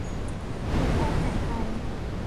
และแพทย์แผนไทย